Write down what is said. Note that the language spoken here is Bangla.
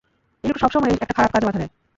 এই লোকটা সবসময় একটা খারাপ কাজে বাধা দেয়!